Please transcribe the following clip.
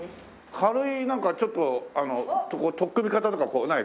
軽いなんかちょっと取っ組み方とかない？